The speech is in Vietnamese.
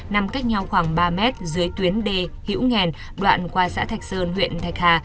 nằm cách nhau khoảng ba mét dưới tuyến đề hiễu nghèn đoạn qua xã thạch sơn huyện thạch hà